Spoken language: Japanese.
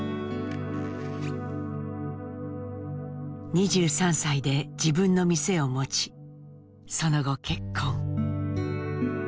２３歳で自分の店を持ちその後結婚。